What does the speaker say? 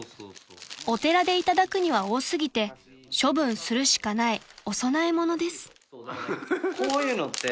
［お寺で頂くには多すぎて処分するしかないお供え物です］